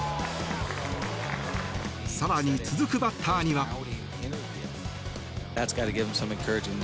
更に、続くバッターには。